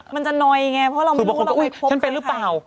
มันจะหน่อยไงเพราะเราไม่รู้เราจะพบคนใคร